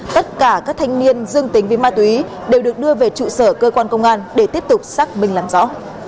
tất cả các thanh niên dương tính với ma túy đều được đưa về trụ sở cơ quan công an để tiếp tục xác minh làm rõ